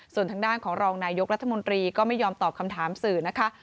ส่วนทางด้านของรองนายกรัฐมนตรีก็ไม่ยอมตอบคำถามสื่อนะคะ